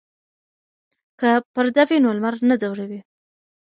که پرده وي نو لمر نه ځوروي.